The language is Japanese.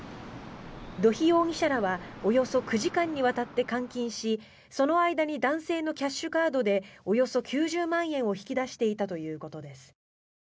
土肥容疑者らはおよそ９時間にわたって監禁しその間に男性のキャッシュカードでおよそ９０万円を引き出していたということです。